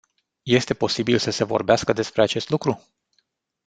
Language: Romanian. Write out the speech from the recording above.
Este posibil să se vorbească despre acest lucru?